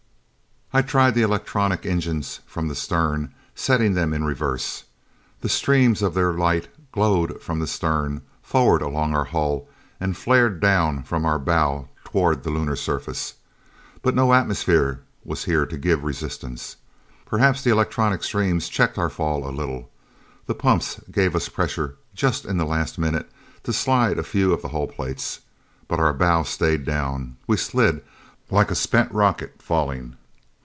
I tried the electronic engines from the stern, setting them in reverse. The streams of their light glowed from the stern, forward along our hull, and flared down from our bow toward the Lunar surface. But no atmosphere was here to give resistance. Perhaps the electronic streams checked our fall a little. The pumps gave us pressure just in the last minutes, to slide a few of the hull plates. But our bow stayed down. We slid, like a spent rocket falling.